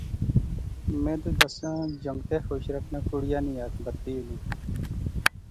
میں تو دساں جنگتے خوش رکھنا کڑیا نی ہتھ بتی ہونی